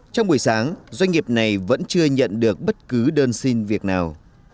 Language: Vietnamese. trong buổi sáng doanh nghiệp này vẫn chưa nhận được bất cứ đơn xin việc nào